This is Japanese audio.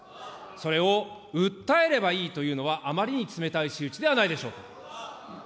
それを訴えればいいというのはあまりに冷たい仕打ちではないでしょうか。